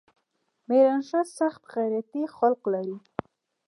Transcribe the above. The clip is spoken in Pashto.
ميرانشاه سخت غيرتي خلق لري.